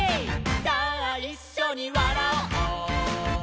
さあいっしょにわらおう」